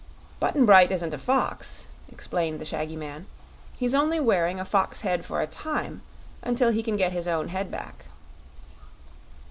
"Button Bright isn't a fox," explained the shaggy man. "He's only wearing a fox head for a time, until he can get his own head back."